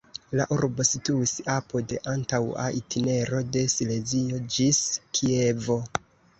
La urbo situis apud antaŭa itinero de Silezio ĝis Kievo.